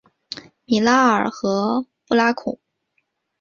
米拉贝和布拉孔。